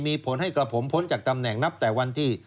มีผลให้กระผมพ้นจากตำแหน่งนับแต่วันที่